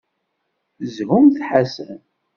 Shumt Ḥasan!